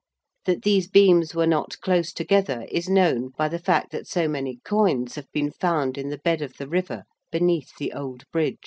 That these beams were not close together is known by the fact that so many coins have been found in the bed of the river beneath the old Bridge.